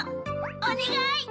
おねがい！